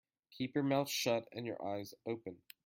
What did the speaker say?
Keep your mouth shut and your eyes open.